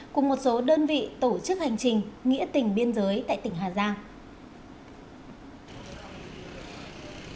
cùng một số đơn vị tổ chức hành trình nghĩa tỉnh biên giới tại tỉnh thừa thuyên huế